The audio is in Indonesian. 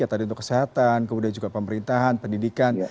tadi untuk kesehatan kemudian juga pemerintahan pendidikan